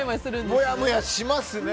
もやもやしますね。